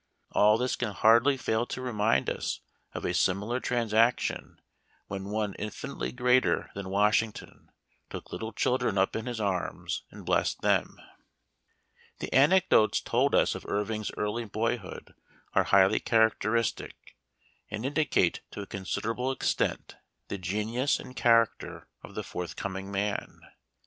All this can hardly fail to remind us of a similar transaction when One infinitely greater than Washington took little children up in his arms and blessed them. The anecdotes told us of Irving's early boy hood are highly characteristic, and indicate to a considerable extent the genius and character of the forthcoming man.